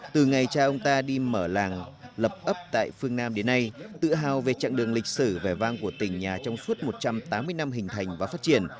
từ ngày cha ông ta đi mở làng lập ấp tại phương nam đến nay tự hào về chặng đường lịch sử vẻ vang của tỉnh nhà trong suốt một trăm tám mươi năm hình thành và phát triển